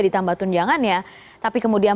ditambah tunjangannya tapi kemudian